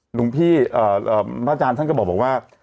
หลวงพี่พระอาจารย์ท่านก็บอกว่า